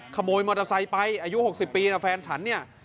ขโมยมอเตอร์ไซค์ไปอายุ๖๐ปีนะแฟนฉันเนี่ย